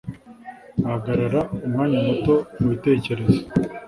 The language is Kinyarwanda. Ahagarara umwanya muto mubitekerezo